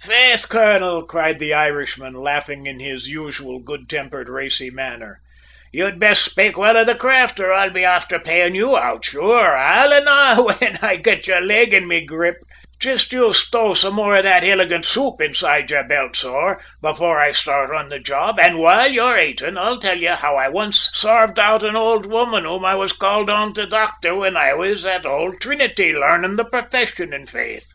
"Faith, colonel," cried the Irishman, laughing in his usual good tempered racy manner, "you'd best spake well of the craft or I'll be afther payin' you out, sure, alannah, whin I get your leg in me grip! Jist you stow some more o' that illigint soup inside your belt, sor, before I start on the job, an' while ye're aitin' I'll tell you how I once sarved out an old woman whom I was called in to docther, whin I was at ould Trinity, larnin' the profession, in faith!"